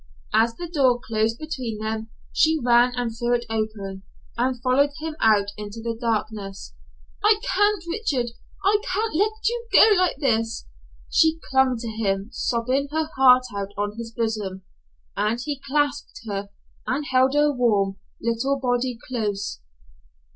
As the door closed between them she ran and threw it open and followed him out into the darkness. "I can't, Richard. I can't let you go like this!" She clung to him, sobbing her heart out on his bosom, and he clasped her and held her warm little body close.